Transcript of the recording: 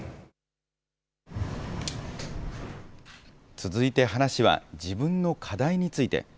続いて話は、自分の課題について。